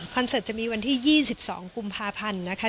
คอนเซิร์ตจะมีวันที่๒๒กุมภาพันธุ์